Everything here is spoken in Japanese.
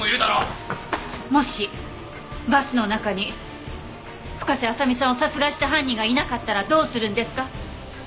もしバスの中に深瀬麻未さんを殺害した犯人がいなかったらどうするんですか？